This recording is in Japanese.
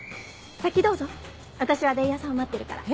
先どうぞ私は伝弥さんを待ってるから。